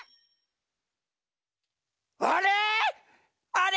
あれ？